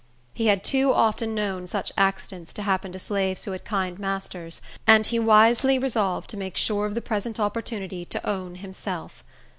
He had too often known such accidents to happen to slaves who had kind masters, and he wisely resolved to make sure of the present opportunity to own himself.